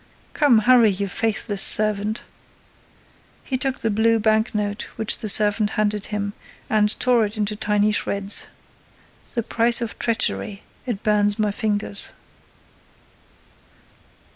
Come hurry, you faithless servant." He took the blue bank note which the servant handed him and tore it into tiny shreds: "The price of treachery! It burns my fingers."